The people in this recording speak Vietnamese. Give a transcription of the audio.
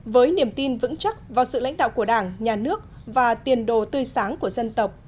với niềm tin vững chắc vào sự lãnh đạo của đảng nhà nước và tiền đồ tươi sáng của dân tộc